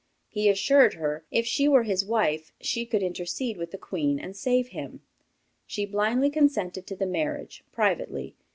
He assured her, if she were his wife, she could intercede with the Queen and save him. She blindly consented to the marriage, privately.